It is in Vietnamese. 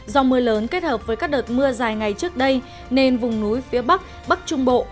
do mưa lớn kết hợp với các đợt mưa dài ngày trước đây nên vùng núi phía bắc bắc trung bộ